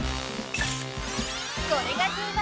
『これが定番！